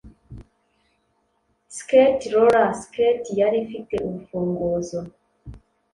skate roller skate yari ifite urufunguzo.